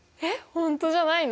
本当じゃないの？